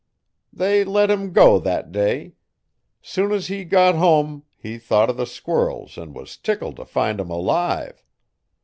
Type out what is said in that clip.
'They let him go thet day. Soon as he got hum he thought o' the squirrels an' was tickled t' find 'em alive.